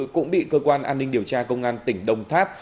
cũng bị cơ quan an ninh điều tra công an tỉnh đồng tháp